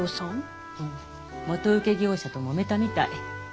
元請け業者ともめたみたい。